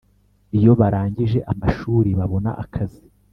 iyo barangije amashuri babona akazi